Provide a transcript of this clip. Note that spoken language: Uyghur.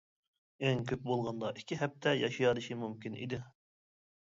ئەڭ كۆپ بولغاندا ئىككى ھەپتە ياشىيالىشى مۇمكىن ئىدى.